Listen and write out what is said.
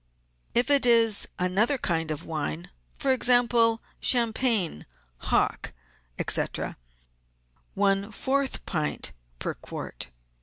If it is another kind of wine, for example, champagne, hock, &c., one fourth pint per quart.